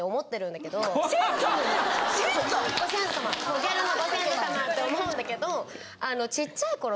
ご先祖さまギャルのご先祖さまって思うんだけど。